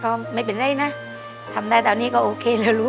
ก็ไม่เป็นไรนะทำได้ตอนนี้ก็โอเคแล้วรู้